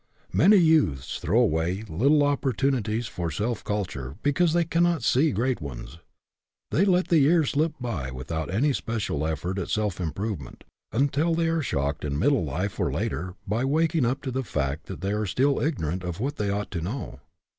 Many youths throw away little opportuni ties for self culture because they cannot see great ones. They let the years slip by with out any special effort at self improvement, until they are shocked in middle life, or later, by waking up to the fact that they are still ignorant of what they ought to know.